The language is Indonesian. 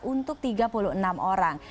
untuk tiga puluh enam orang